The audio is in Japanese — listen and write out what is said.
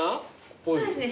そうですね